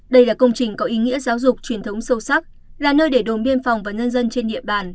đây là công trình có ý nghĩa giáo dục truyền thống sâu sắc là nơi để đồn biên phòng và nhân dân trên địa bàn